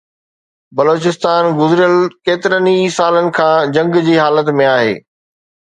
بلوچستان گذريل ڪيترن ئي سالن کان جنگ جي حالت ۾ آهي